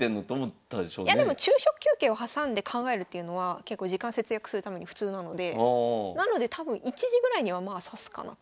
でも昼食休憩を挟んで考えるっていうのは結構時間節約するために普通なのでなので多分１時ぐらいにはまあ指すかなと。